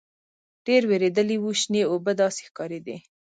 ډېر وېردلي وو شنې اوبه داسې ښکارېدې.